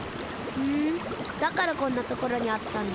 ふんだからこんなところにあったんだ。